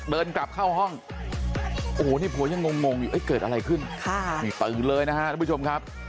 เดินกลับเข้าห้องโอ้โหนี่ผัวยังงงอยู่เกิดอะไรขึ้นนี่ตื่นเลยนะฮะทุกผู้ชมครับ